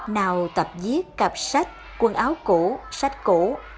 nào tập viết cặp sách quân áo cũ sách cũ